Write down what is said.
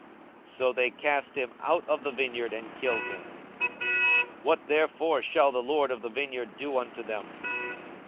42:020:015 So they cast him out of the vineyard, and killed him. What therefore shall the lord of the vineyard do unto them?